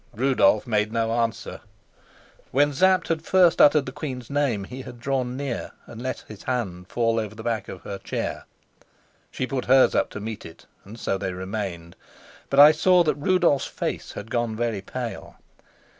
Rudolf made no answer. When Sapt had first uttered the queen's name, he had drawn near and let his hand fall over the back of her chair. She put hers up to meet it, and so they remained. But I saw that Rudolf's face had gone very pale.